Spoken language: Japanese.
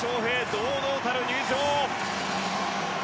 堂々たる入場。